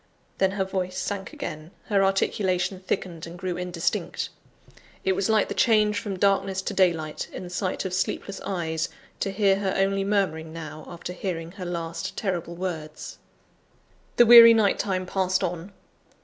Then her voice sank again; her articulation thickened, and grew indistinct. It was like the change from darkness to daylight, in the sight of sleepless eyes, to hear her only murmuring now, after hearing her last terrible words. The weary night time passed on.